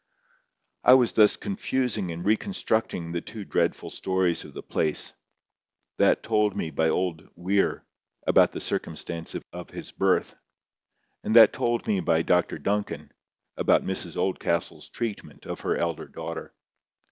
I was thus confusing and reconstructing the two dreadful stories of the place—that told me by old Weir, about the circumstances of his birth; and that told me by Dr Duncan, about Mrs Oldcastle's treatment of her elder daughter.